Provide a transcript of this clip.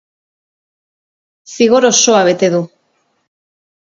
Zigor osoa bete du.